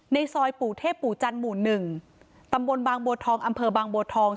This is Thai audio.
ในซอยปู่เทพปู่จันหมุนหนึ่งตำวนบางโบทองอำเภอบางโบทอง